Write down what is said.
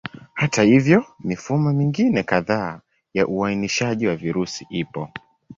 Hata hivyo, mifumo mingine kadhaa ya uainishaji wa virusi ipo.